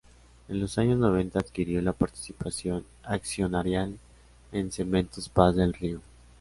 En los años noventa, adquirió la participación accionarial en Cementos Paz del Río.